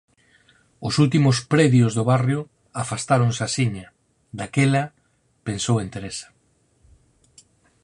Os últimos predios do barrio afastáronse axiña; daquela, pensou en Teresa.